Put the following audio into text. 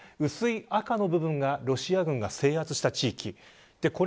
薄い赤の部分がロシア軍が制圧した地域です。